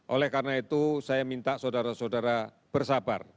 oleh karena itu saya minta saudara saudara bersabar